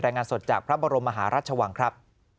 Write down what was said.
รายงานสดจากพระบรมมหาราชวังครับ